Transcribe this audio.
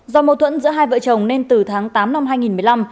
do mâu thuẫn giữa hai vợ chồng nên từ tháng tám năm hai nghìn một mươi năm